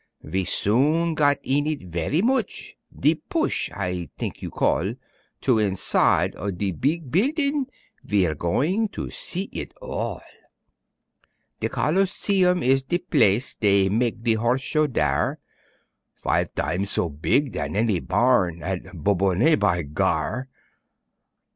Ve soon gat in it veree moch, "De push," I t'ink you call, To inside on de beeg building, Ve're going to see it all. De Coliseum is de place, Dey mak' de Horse Show dere, Five tam's so beeg dan any barn At Bourbonnais, by gar!